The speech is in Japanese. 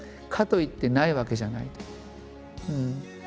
かといってないわけじゃないと思う。